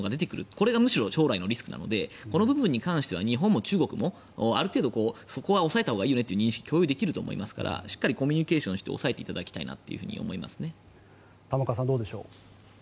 それが将来のリスクなのでこの部分に関しては中国もそこは抑えたほうがいいよねということが共有できると思いますからしっかりコミュニケーションして抑えていただきたいと玉川さん、どうでしょう。